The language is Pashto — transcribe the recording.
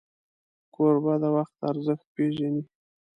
کوربه د وخت ارزښت پیژني.